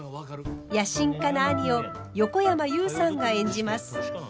野心家な兄を横山裕さんが演じます。